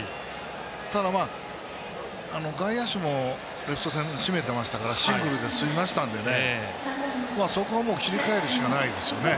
ただ、外野手もレフト線締めてましたからシングルで済みましたからそこは切り替えるしかないですね。